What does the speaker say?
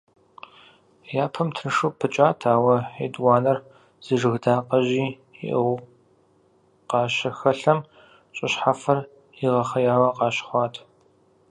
Япэм тыншу пыкӀат, ауэ етӀуанэр зы жыг дакъэжьи иӀыгъыу къащыхэлъэм, щӀы щхьэфэр игъэхъеяуэ къащыхъуат.